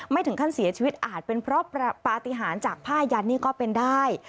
ถึงขั้นเสียชีวิตอาจเป็นเพราะปฏิหารจากผ้ายันนี่ก็เป็นได้